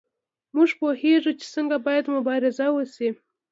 موږ پوهیږو چې څنګه باید مبارزه وشي.